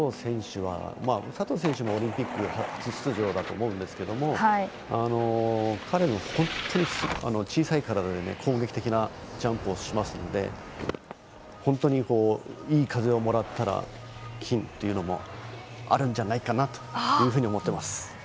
佐藤選手もオリンピック初出場だと思うんですけど彼も本当に小さい体で攻撃的なジャンプをしますので本当にいい風をもらったら金メダルもあるんじゃないかなと思っています。